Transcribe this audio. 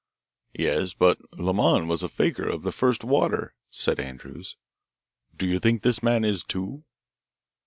"Yes, but Lemoine was a fakir of the first water;" said Andrews. "Do you think this man is, too?"